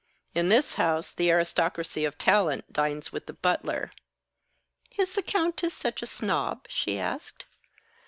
In this house, the Aristocracy of Talent dines with the butler." "Is the Countess such a snob?" she asked.